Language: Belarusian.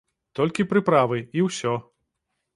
Толькі прыправы, і ўсё.